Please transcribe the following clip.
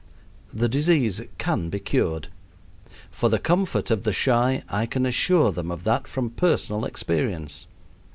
The disease can be cured. For the comfort of the shy, I can assure them of that from personal experience.